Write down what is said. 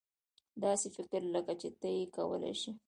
داسې فکر لکه چې ته یې کولای شې.